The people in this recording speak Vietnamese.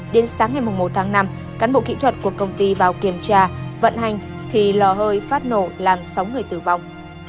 đến sáng ngày một tháng năm cán bộ kỹ thuật của công ty vào kiểm tra vận hành thì lò hơi phát nổ làm sáu người tử vong